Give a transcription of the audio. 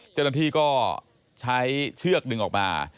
เจ้าหน้าที่ก็ใช้เชือกดึงออกมา